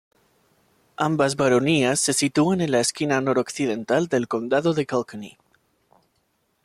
Ambas baronías se sitúan en la esquina noroccidental del Condado de Kilkenny.